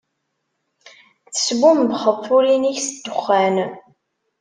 Tesbumbxeḍ turin-ik s ddexxan.